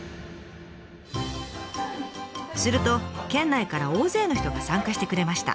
すると県内から大勢の人が参加してくれました。